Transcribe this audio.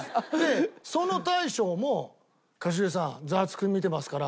その大将も「一茂さん『ザワつく！』見てますから」。